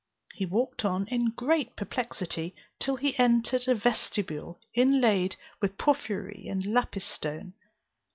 He walked on, in great perplexity, till he entered a vestibule inlaid with porphyry and lapis stone.